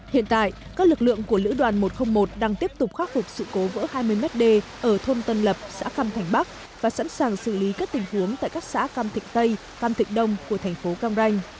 hiện tại các lực lượng của lữ đoàn một trăm linh một đang tiếp tục khắc phục sự cố vỡ hai mươi m đê ở thôn tân lập xã cam thành bắc và sẵn sàng xử lý các tình huống tại các xã cam thịnh tây cam thịnh đông của thành phố cam ranh